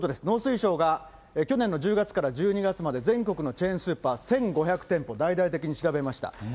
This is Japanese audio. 農水省が去年の１０月から１２月まで全国のチェーンスーパー１５００店舗、大々的に調べました。